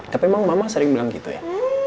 tapi memang mama sering bilang gitu ya